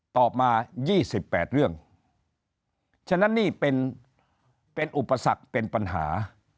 ตอบมา๒๘เรื่องฉะนั้นนี่เป็นอุปสรรคเป็นปัญหา